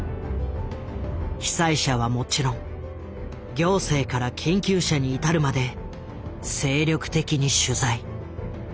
被災者はもちろん行政から研究者に至るまで精力的に取材。